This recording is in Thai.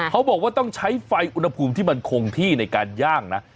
เขาบอกว่าต้องใช้ไฟอุณหภูมิที่มันคงที่ในการย่างนะ